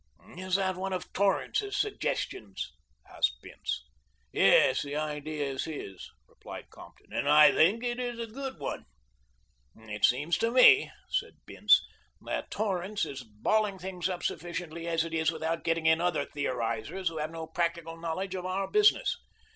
"Is that one of Torrance's suggestions?" asked Bince. "Yes, the idea is his," replied Compton, "and I think it is a good one." "It seems to me," said Bince, "that Torrance is balling things up sufficiently as it is without getting in other theorizers who have no practical knowledge of our business.